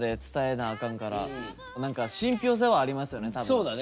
そうだね。